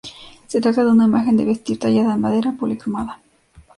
Se trata de una imagen de vestir, tallada en madera, policromada.